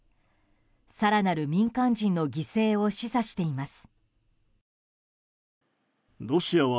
更なる民間人の犠牲を示唆しています。